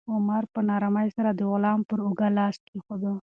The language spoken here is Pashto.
عمر په نرمۍ سره د غلام پر اوږه لاس کېښود.